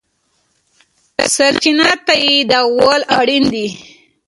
سرچینه تاییدول اړین دي.